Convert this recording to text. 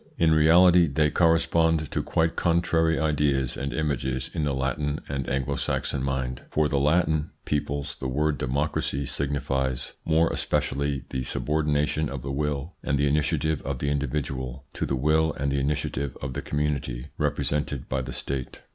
In reality they correspond to quite contrary ideas and images in the Latin and Anglo Saxon mind. For the Latin peoples the word "democracy" signifies more especially the subordination of the will and the initiative of the individual to the will and the initiative of the community represented by the State.